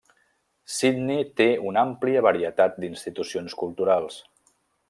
Sydney té una àmplia varietat d'institucions culturals.